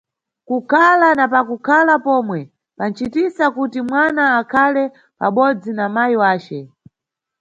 Kukhala na pakukhala pomwe panʼcitisa kuti mwana akhale pabodzi na mayi wace.